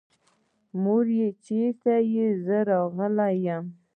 مورې چېرې يې؟ زه راغلی يم.